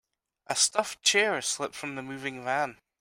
A stuffed chair slipped from the moving van.